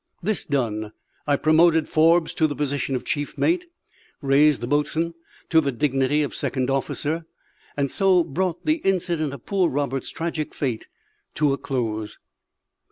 This done, I promoted Forbes to the position of chief mate; raised the boatswain to the dignity of "second officer;" and so brought the incident of poor Roberts's tragic fate to a close.